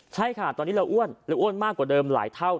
ใช่ค่ะตอนนี้เราอ้วนเราอ้วนมากกว่าเดิมหลายเท่า